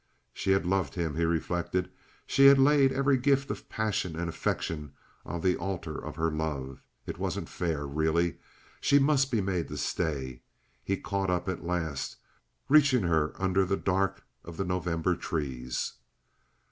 She had loved him, he reflected. She had laid every gift of passion and affection on the altar of her love. It wasn't fair, really. She must be made to stay. He caught up at last, reaching her under the dark of the November trees.